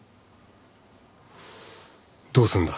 どうすんだ。